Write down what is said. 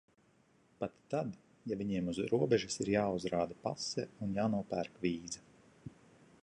Pat tad, ja viņiem uz robežas ir jāuzrāda pase un jānopērk vīza.